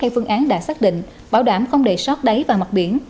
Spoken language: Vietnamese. hai phương án đã xác định bảo đảm không đề sót đáy và mặt biển